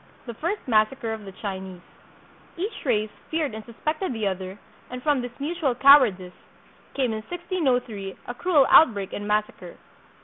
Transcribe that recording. The First Massacre of the Chinese Each race feared and suspected the other, and from this mutual cowardice came in 1603 a cruel outbreak and massacre.